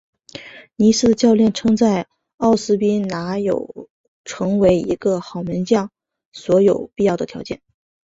尼斯的教练称赞奥斯宾拿有成为一个好门将所有必要的条件。